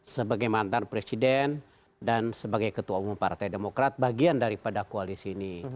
sebagai mantan presiden dan sebagai ketua umum partai demokrat bagian daripada koalisi ini